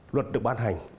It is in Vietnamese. luật được ban hành